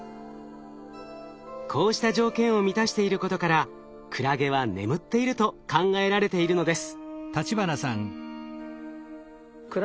こうした条件を満たしていることからクラゲは眠っていると考えられているのです。